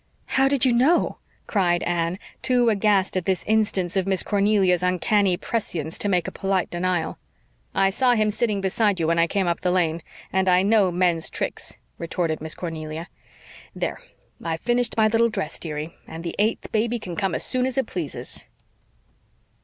"How did you know?" cried Anne, too aghast at this instance of Miss Cornelia's uncanny prescience to make a polite denial. "I saw him sitting beside you when I came up the lane, and I know men's tricks," retorted Miss Cornelia. "There, I've finished my little dress, dearie, and the eighth baby can come as soon as it pleases."